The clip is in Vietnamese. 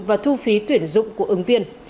và thu phí tuyển dụng của ứng viên